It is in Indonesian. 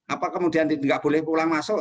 apa kemudian tidak boleh pulang masuk